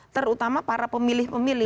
terutama para pemilih pemilih